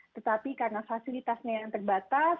tetapi karena fasilitasnya yang terbatas